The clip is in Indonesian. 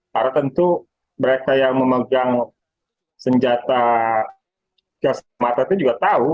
karena tentu mereka yang memegang senjata gas air mata itu juga tahu